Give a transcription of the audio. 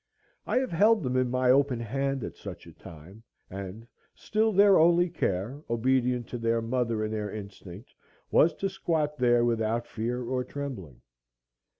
I have held them in my open hand at such a time, and still their only care, obedient to their mother and their instinct, was to squat there without fear or trembling.